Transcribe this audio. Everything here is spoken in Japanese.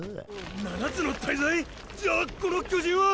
七つの大罪⁉じゃあこの巨人は。